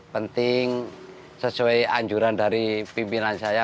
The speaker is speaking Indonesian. penting sesuai anjuran dari pimpinan saya